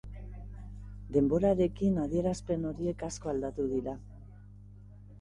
Denborarekin adierazpen horiek asko aldatu dira.